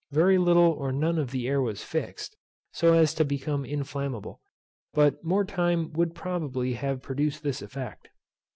Very little or none of the air was fixed, so as to become inflammable; but more time would probably have produced this effect.